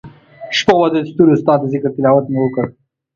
شپه وه دستورو ستا دذکرتلاوت مي وکړ